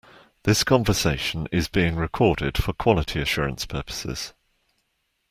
This conversation is being recorded for quality assurance purposes.